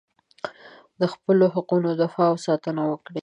د خپلو حقونو دفاع او ساتنه وکړئ.